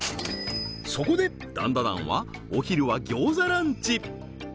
そこでダンダダンはお昼は餃子ランチ